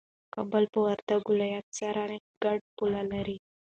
کابل او وردګ ولايتونه سره ګډه پوله لري